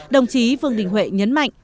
đồng chí vương đình huệ nhấn mạnh